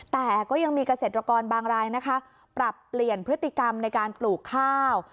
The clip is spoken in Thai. แต่ก็ยังมีเกษตรกรบางรายนะคะปรับเปลี่ยนพฤติกรรมในการปลูกข้าว